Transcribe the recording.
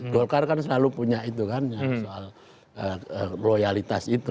golkar kan selalu punya itu kan soal loyalitas itu